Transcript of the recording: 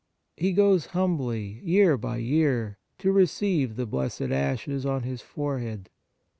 He goes humbly, year by year, to receive the blessed ashes on his forehead.